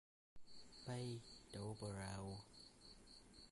Bay, đậu bờ rào